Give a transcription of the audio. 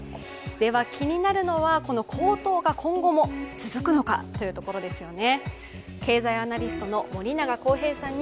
気になるのは、高騰が今後も続くのかというところですよね。